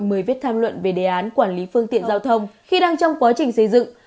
mời viết tham luận về đề án quản lý phương tiện giao thông khi đang trong quá trình xây dựng